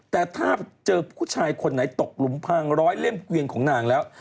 แต่ถ้าเจอผู้ชายคนไหนตกหลุมพังร้อยเล่มเกวียนของนางแล้ว